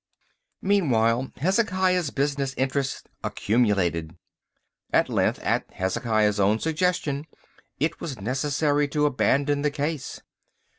Meanwhile Hezekiah's business interests accumulated. At length, at Hezekiah's own suggestion, it was necessary to abandon the case.